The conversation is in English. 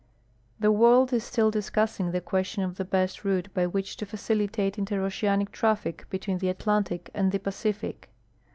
The Avoiid is still discussing the question of the best route by Avhicli to fiicilitate interoceanic traffic bettveen the Atlantic and the Pacific.